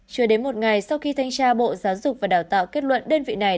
chưa đến một ngày sau khi thanh tra bộ giáo dục và đào tạo kết luận đơn vị này